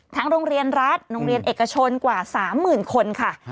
โรงเรียนรัฐโรงเรียนเอกชนกว่า๓๐๐๐คนค่ะ